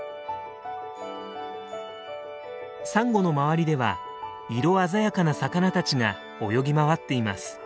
サンゴの周りでは色鮮やかな魚たちが泳ぎ回っています。